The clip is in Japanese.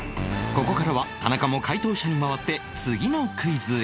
ここからは田中も解答者に回って次のクイズへ